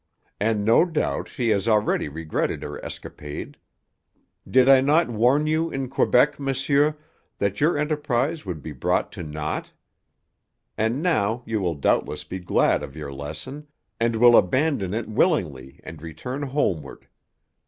"And no doubt she has already regretted her escapade. Did I not warn you in Quebec, monsieur, that your enterprise would be brought to naught? And now you will doubtless be glad of your lesson, and will abandon it willingly and return homeward.